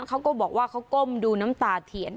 เขาก็บอกว่าเขาก้มดูน้ำตาเทียน